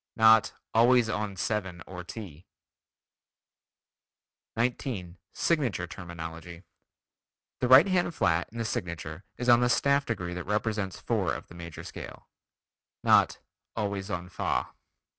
Not "always on 7 or ti." 19. Signature Terminology: The right hand flat in the signature is on the staff degree that represents four of the major scale. Not "always on fa."